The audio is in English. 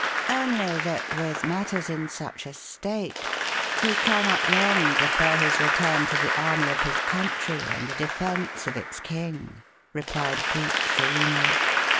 "Only that, with matters in such a state, he cannot long defer his return to the army of his country and the defence of its king," replied Cleek, serenely.